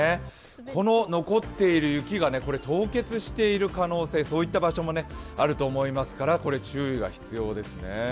この残っている雪が凍結している可能性、そういった場所もあると思いますからこれ、注意が必要ですね。